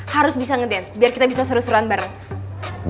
harus bisa ngeden biar kita bisa seru seruan bareng